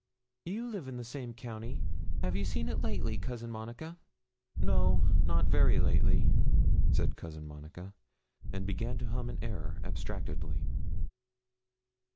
'You live in the same county have you seen it lately, Cousin Monica?' 'No, not very lately,' said Cousin Monica, and began to hum an air abstractedly.